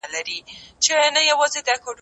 دا وینا باید په پښتو کي ثبت سي.